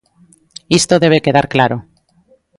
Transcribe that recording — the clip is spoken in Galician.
Isto debe quedar claro.